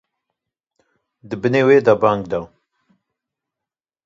Di binê wê de bang da.